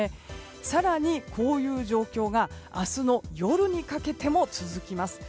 更にこういう状況が明日の夜にかけても続きます。